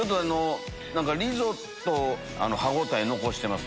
リゾット歯応え残してます